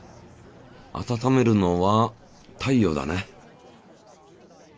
温めるのは太陽だね。